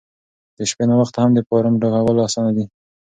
د شپې ناوخته هم د فارم ډکول اسانه دي.